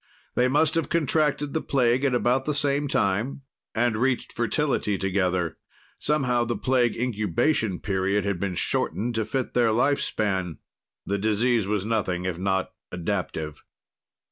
They must have contracted the plague at about the same time and reached fertility together. Somehow, the plague incubation period had been shortened to fit their life span; the disease was nothing if not adaptive.